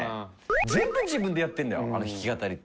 全部自分でやってんだよあの弾き語りって。